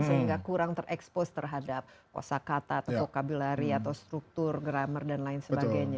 sehingga kurang terekspos terhadap kosa kata atau vokabillary atau struktur gramer dan lain sebagainya